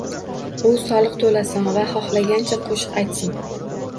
U soliq to'lasin va xohlagancha qo'shiq aytsin